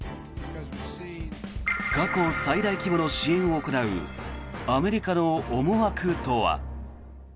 過去最大規模の支援を行うアメリカの思惑とは。